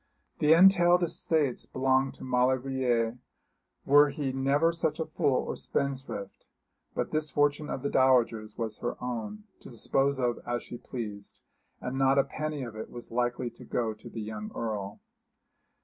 The entailed estates belonged to Maulevrier, were he never such a fool or spendthrift; but this fortune of the dowager's was her own, to dispose of as she pleased, and not a penny of it was likely to go to the young Earl.